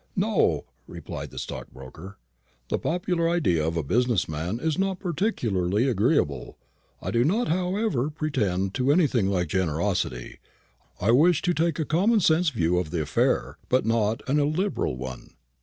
"No," replied the stockbroker, "the popular idea of a business man is not particularly agreeable. I do not, however, pretend to anything like generosity; I wish to take a common sense view of the affair, but not an illiberal one."